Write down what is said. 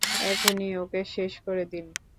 এখনি ওকে শেষ করে দিন!